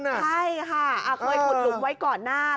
ใช่ค่ะเคยขุดหลุมไว้ก่อนหน้า